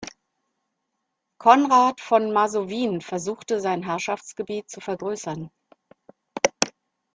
Konrad von Masowien versuchte sein Herrschaftsgebiet zu vergrößern.